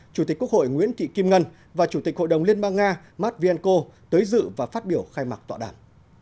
chủ tịch quốc hội nguyễn thị kim ngân và chủ tịch hội đồng liên bang nga matvienko tới dự và phát biểu khai mạc tọa đàm